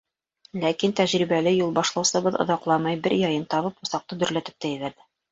Ләкин тәжрибәле юл башлаусыбыҙ оҙаҡламай бер яйын табып, усаҡты дөрләтеп тә ебәрҙе.